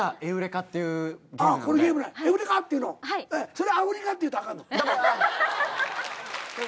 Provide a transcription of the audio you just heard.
それアフリカって言うたらあかんの？ハハハ。